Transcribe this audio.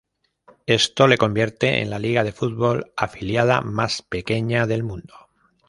Esto la convierte en la liga de fútbol afiliada más pequeña del mundo.